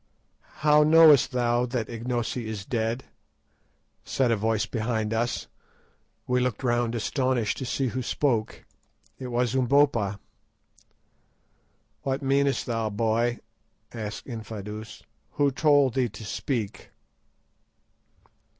"How knowest thou that Ignosi is dead?" said a voice behind us. We looked round astonished to see who spoke. It was Umbopa. "What meanest thou, boy?" asked Infadoos; "who told thee to speak?"